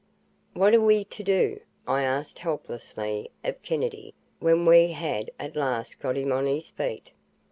........ "What are we to do?" I asked helplessly of Kennedy, when we had at last got him on his feet.